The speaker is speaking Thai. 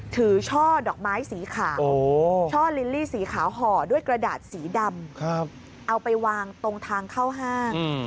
ช่อดอกไม้สีขาวช่อลิลลี่สีขาวห่อด้วยกระดาษสีดำเอาไปวางตรงทางเข้าห้าง